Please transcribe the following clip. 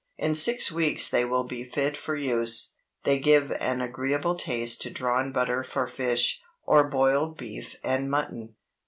In six weeks they will be fit for use. They give an agreeable taste to drawn butter for fish, or boiled beef and mutton.